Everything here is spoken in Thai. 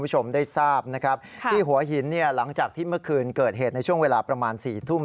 หลังจากที่เมื่อคืนเกิดเหตุในช่วงเวลาประมาณ๔ทุ่ม